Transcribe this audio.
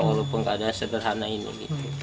walaupun nggak ada sederhana ini